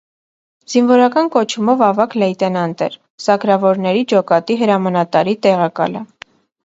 Զինվորական կոչումով ավագ լեյտենանտ էր, սակրավորների ջոկատի հրամանատարի տեղակալը։